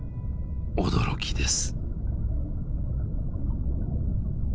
驚きです。